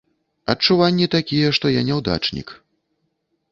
Адчуванні такія, што я няўдачнік.